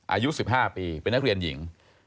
อายุ๑๕ปีเป็นนักเรียนหญิง